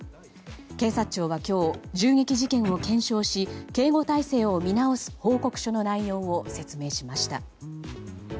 警察庁は今日、銃撃事件を検証し警護態勢を見直す報告書の内容を説明しました。